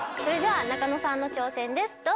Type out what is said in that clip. それでは中野さんの挑戦です。